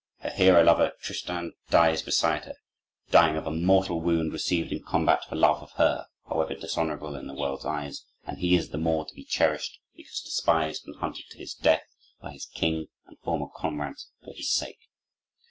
Her hero lover, Tristan, lies beside her, dying of a mortal wound received in combat for love of her, however dishonorable in the world's eyes; and he is the more to be cherished because despised and hunted to his death by his king and former comrades for her sake.